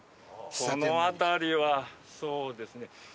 この辺りはそうですね。